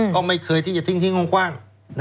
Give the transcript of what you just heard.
ก็ไม่เคยที่จะทิ้งคว่าง